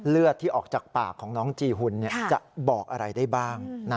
เลือดที่ออกจากปากของน้องจีหุ่นจะบอกอะไรได้บ้าง